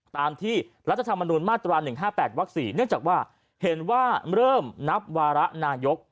ตามที่รัฐธรรมนูลมาตรวาลหนึ่งห้าแปดวักสี่เนื่องจากว่าเห็นว่าเริ่มนับวาระนายก